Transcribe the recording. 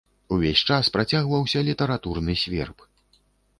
Увесь час працягваўся літаратурны сверб.